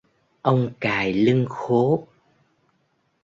Ông cài lưng khố